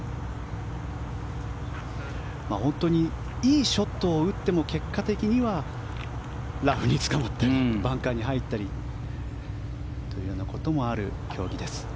本当にいいショットを打っても結果的にはラフにつかまったり、バンカーに入ったりというようなこともある競技です。